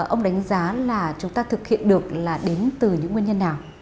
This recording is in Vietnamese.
ông đánh giá là chúng ta thực hiện được là đến từ những nguyên nhân nào